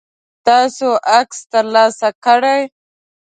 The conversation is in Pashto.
تاسو عکس ترلاسه کړئ؟